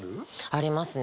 ありますね。